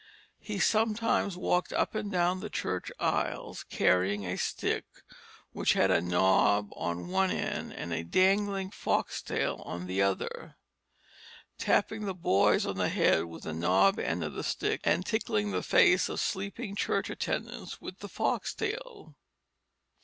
He sometimes walked up and down the church aisles, carrying a stick which had a knob on one end, and a dangling foxtail on the other, tapping the boys on the head with the knob end of the stick, and tickling the face of sleeping church attendants with the foxtail.